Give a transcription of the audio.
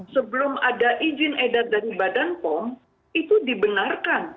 sebelum ada izin edar dari badan pom itu dibenarkan